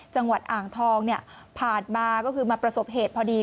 จังหวัดอ่างทองเนี่ยผ่านมาก็คือมาประสบเหตุพอดี